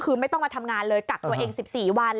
คือไม่ต้องมาทำงานเลยกักตัวเอง๑๔วัน